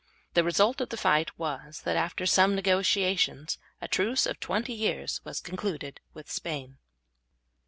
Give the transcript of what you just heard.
The result of the fight was, that after some negotiations a truce of twenty years was concluded with Spain.